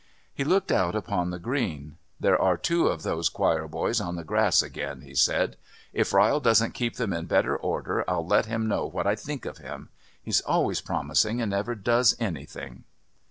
He looked out upon the Green. "There are two of those choir boys on the grass again," he said. "If Ryle doesn't keep them in better order, I'll let him know what I think of him. He's always promising and never does anything."